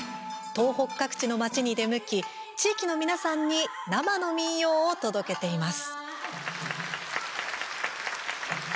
東北各地の町に出向き地域の皆さんに生の民謡を届けています。